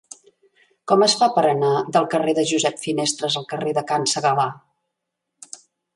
Com es fa per anar del carrer de Josep Finestres al carrer de Can Segalar?